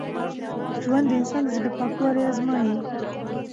ژوند د انسان د زړه پاکوالی ازمېيي.